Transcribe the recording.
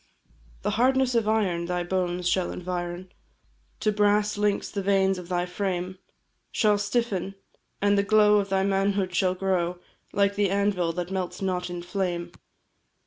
The hardness of iron thy bones shall environ, To brass links the veins of thy frame Shall stiffen, and the glow of thy manhood shall grow Like the anvil that melts not in flame!